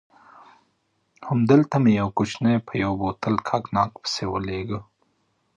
هملته مې یو کوچنی په یو بوتل کاګناک پسې ولېږه.